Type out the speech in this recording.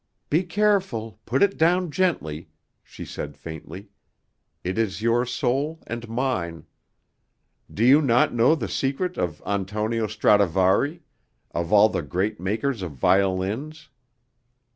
"Be careful, put it down gently," she said faintly; "it is your soul and mine. Do you not know the secret of Antonio Stradivari, of all the great makers of violins?